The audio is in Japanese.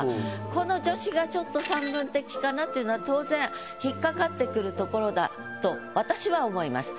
この助詞がちょっと散文的かなっていうのは当然引っ掛かってくるところだと私は思います。